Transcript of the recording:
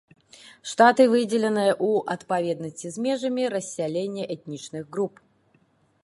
Штаты выдзеленыя ў адпаведнасці з межамі рассялення этнічных груп.